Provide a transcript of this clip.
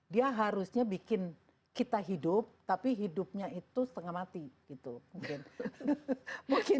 dia harusnya bikin kita hidup tapi hidupnya itu setengah mati gitu mungkin